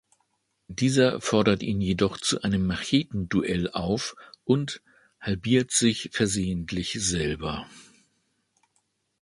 Dieser fordert ihn jedoch zu einem Macheten-Duell auf und halbiert sich versehentlich selber.